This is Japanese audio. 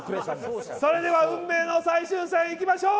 それでは運命の最終戦いきましょう。